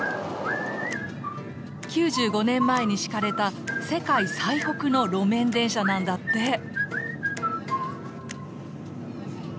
９５年前に敷かれた世界最北の路面電車なんだって。